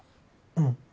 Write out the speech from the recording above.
うん。